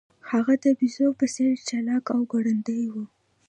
هغه د بیزو په څیر چلاک او ګړندی و.